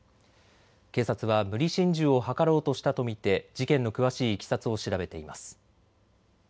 警察は無理心中を図ろうとしたと見て事件の詳しいいきさつを調べています。